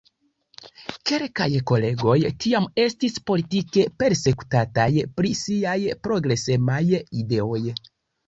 Kelkaj kolegoj tiam estis politike persekutataj pri siaj progresemaj ideoj.